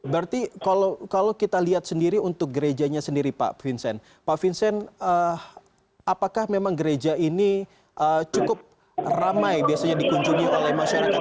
berarti kalau kita lihat sendiri untuk gerejanya sendiri pak vincent pak vincent apakah memang gereja ini cukup ramai biasanya dikunjungi oleh masyarakat